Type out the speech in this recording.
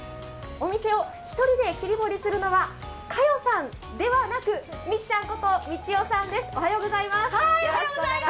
お店を１人で切り盛りするのはカヨさんではなくみっちゃんこと美知代さんです。